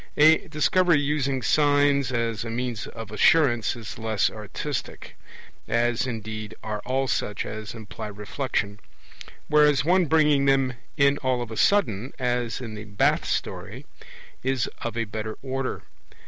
A Discovery using signs as a means of assurance is less artistic, as indeed are all such as imply reflection; whereas one bringing them in all of a sudden, as in the Bath story, is of a better order.